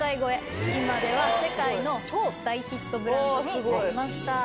今では世界の超大ヒットブランドになりました。